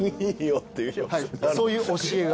はいそういう教えが。